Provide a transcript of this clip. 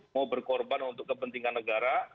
mau berkorban untuk kepentingan negara